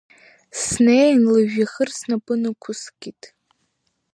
Снеин, лыжәҩахыр снапы нықәыскит.